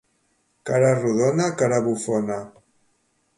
Cara rodona, cara bufona.